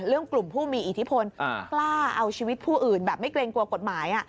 กลุ่มผู้มีอิทธิพลกล้าเอาชีวิตผู้อื่นแบบไม่เกรงกลัวกฎหมาย